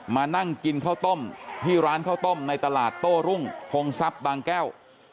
มานั่งกินข้าวต้มที่ร้านข้าวต้มในตลาดโต้รุ่งพงทรัพย์บางแก้ว